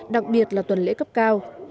đặc biệt là tuần lễ cấp cao